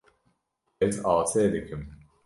Ez asê dikim.